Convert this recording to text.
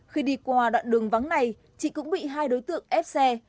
khi đi qua đoạn đường vắng này chị cũng bị hai đối tượng ép xe